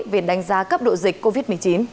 về đánh giá cấp độ dịch covid một mươi chín